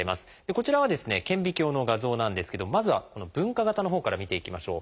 こちらは顕微鏡の画像なんですけどまずはこの分化型のほうから見ていきましょう。